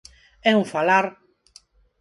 É un falar.